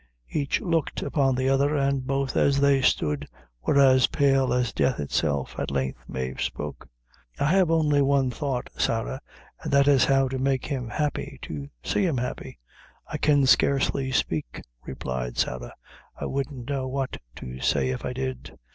Each looked upon the other, and both as they stood were as pale as death itself. At length Mave spoke. "I have only one thought, Sarah, an' that is how to make him happy; to see him happy." "I can scarcely spake," replied Sarah; "I wouldn't know what to say if I did.